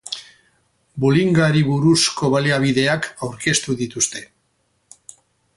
Bullyingari buruzko baliabideak aurkeztu dituzte.